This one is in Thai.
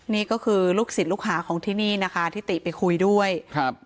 นี่ก็คือลูกศิษย์ลูกหาของที่นี่นะคะที่ติไปคุยด้วยครับ